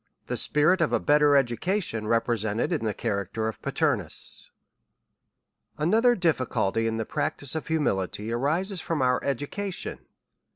The spirit of a better Education represented in the character o/'Paternus. ANOTHER difficulty in the practice of humility, arises from our education.